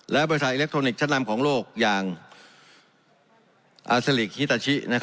และบริษัทอิเล็กทรอนิกส์ชั้นนำของโลกอย่างอาซาลิกฮิตาชิ